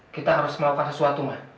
kita harus melakukan sesuatu mbak